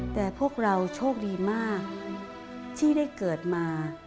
แต่พวกเราโชคดีมากที่ได้เกิดมา